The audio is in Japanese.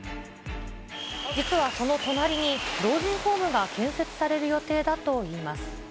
実はこの隣に老人ホームが建設される予定だといいます。